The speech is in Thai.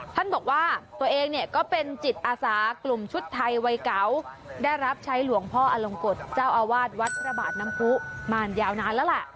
ท่านบอกว่าตัวเองเนี่ยก็เป็นจิตอาสากลุ่มชุดไทยวัยเก่าได้รับใช้หลวงพ่ออลงกฎเจ้าอาวาสวัดพระบาทน้ำผู้มายาวนานแล้วแหละ